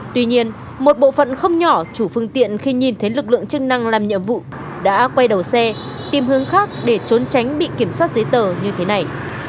tuy nhiên một bộ phận không nhỏ chủ phương tiện khi nhìn thấy lực lượng chức năng làm nhiệm vụ đã quay đầu xe tìm hướng khác để trốn tránh bị kiểm soát giấy tờ như thế này